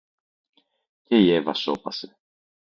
Και η Εύα σώπασε